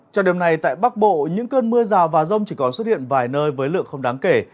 trong đêm nay tại bắc bộ những cơn mưa rào và rông chỉ còn xuất hiện vài nơi với lượng không đáng kể